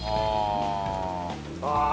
ああ。